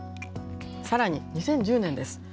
さらに２０１０年です。